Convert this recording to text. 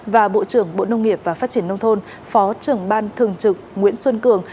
và bộ trưởng bộ nông nghiệp và phát triển nông thôn phó trưởng ban thường trực nguyễn xuân cường